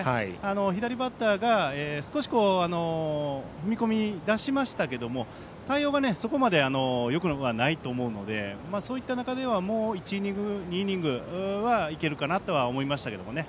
左バッターが少し踏み込み出しましたけども対応がそこまでよくはないのでそういった中で、もう１イニング２イニングいけるかなと思いましたけどね。